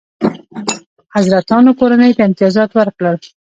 حضرتانو کورنۍ ته امتیازات ورکړل.